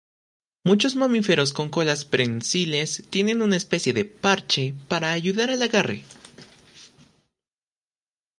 Muchos mamíferos con colas prensiles tienen una especie de "parche" para ayudar al agarre.